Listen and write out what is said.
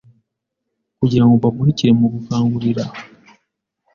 kugira ngo mbamurikire mu gukangurira